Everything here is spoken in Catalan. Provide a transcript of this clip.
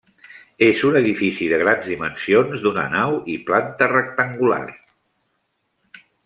És un edifici de grans dimensions, d'una nau i planta rectangular.